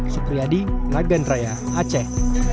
supriyadi lagandraya aceh